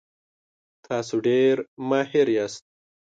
تاسو ډیر ماهر یاست.